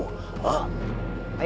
kamu yakin sekali bisa mengalahkanku